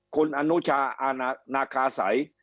คุณอนุชาอาณาคาสัย